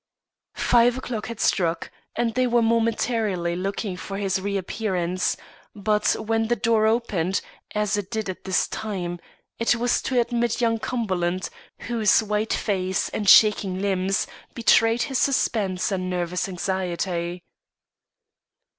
Five o'clock had struck, and they were momentarily looking for his reappearance; but, when the door opened, as it did at this time, it was to admit young Cumberland, whose white face and shaking limbs betrayed his suspense and nervous anxiety.